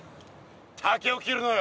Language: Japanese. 竹を切るのよ。